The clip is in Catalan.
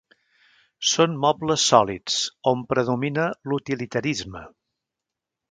Són mobles sòlids on predomina l'utilitarisme.